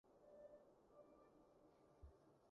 你會怪我們都趕不及來嗎？